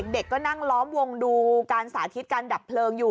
เด็กก็นั่งล้อมวงดูการสาธิตการดับเพลิงอยู่